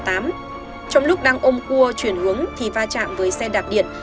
trong lúc đang ôm cua chuyển hướng thì va chạm với xe đạp điện